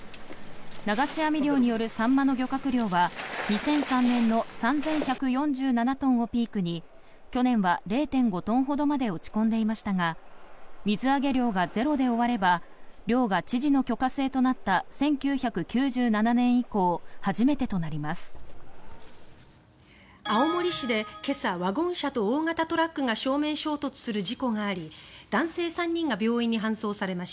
流し網漁によるサンマの漁獲量は２００３年の３１４７トンをピークに去年は０．５トンほどまで落ち込んでいましたが水揚げ量がゼロで終われば漁が知事の許可制となった１９９７年以降初めてとなります。